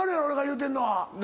俺が言うてんの。